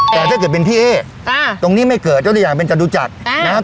แต่ถ้าเกิดเป็นพี่เอ๊ะอ่าตรงนี้ไม่เกิดเจ้าตัวอย่างเป็นจัดดูจัดอ่า